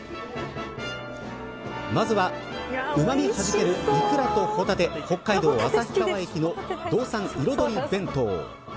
まずはうまみはじけるいくらと帆立北海道旭川駅の道産彩り弁当。